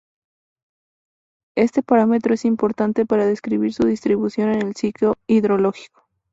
Este parámetro es importante para describir su distribución en el ciclo hidrológico.